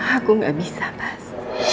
aku tidak bisa mas